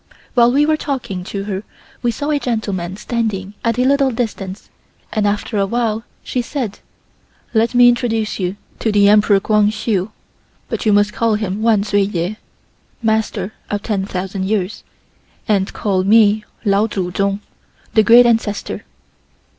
While we were talking to her we saw a gentleman standing at a little distance and after a while she said, "Let me introduce you to the Emperor Kwang Hsu, but you must call him Wan Sway Yeh (Master of 10,000 years) and call me Lao Tsu Tsung (the Great Ancestor)."